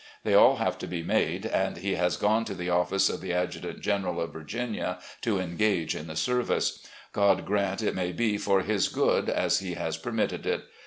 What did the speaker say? They aU have to be made, and he has gone to the office of the adjutant general of Virginia to engage in the service. God grant it may be for his good as He has permitted it.